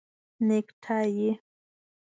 👔 نیکټایې